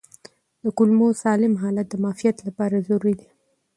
د کولمو سالم حالت د معافیت لپاره ضروري دی.